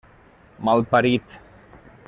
Malparit!